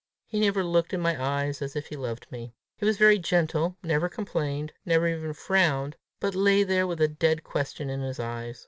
he never looked in my eyes as if he loved me! He was very gentle, never complained, never even frowned, but lay there with a dead question in his eyes.